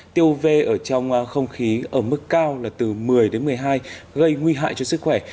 tiêu vê ở trong không khí ở mức cao là từ một mươi đến một mươi hai gây nguy hại cho sức khỏe